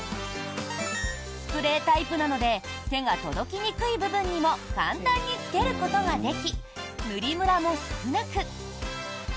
スプレータイプなので手が届きにくい部分にも簡単につけることができ塗りむらも少なく。